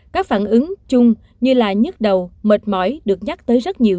các phản ứng chung như là nhức đầu mệt mỏi được nhắc tới rất nhiều